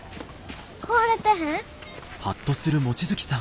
壊れてへん？